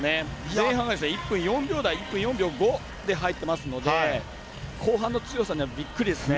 前半１分４秒５で入ってますので後半の強さにはびっくりですね。